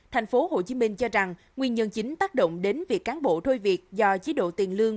tp hcm cho rằng nguyên nhân chính tác động đến việc cán bộ thôi việc do chế độ tiền lương